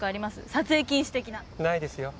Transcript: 撮影禁止的な。ないですよ。